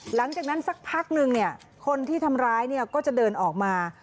หลังจากนั้นสักพักนึงเนี่ยคนที่ทำร้ายเนี่ยก็จะเดินออกมา